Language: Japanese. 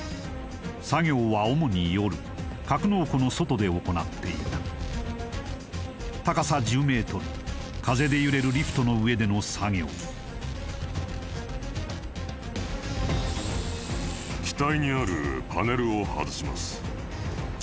作業は主に夜格納庫の外で行っていた高さ１０ｍ風で揺れるリフトの上での作業機体にあるパネルを外します